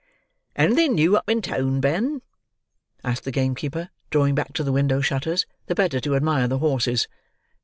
"Anything new up in town, Ben?" asked the game keeper, drawing back to the window shutters, the better to admire the horses.